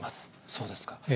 そうですか。